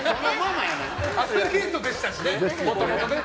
アスリートでしたしね、もともと。